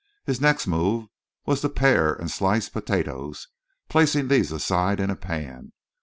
His next move was to pare and slice potatoes, placing these aside in a pan.